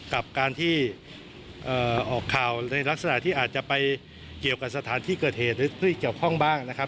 กับการที่ออกข่าวในลักษณะที่อาจจะไปเกี่ยวกับสถานที่เกิดเหตุหรือที่เกี่ยวข้องบ้างนะครับ